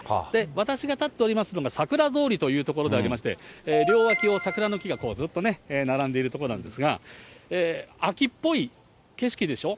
私が立っておりますのが、桜通りという所でありまして、両脇を桜の木が、ずっとね、並んでいる所なんですが、秋っぽい景色でしょ？